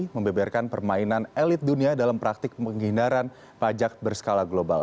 membeberkan permainan elit dunia dalam praktik penghinaan pajak berskala global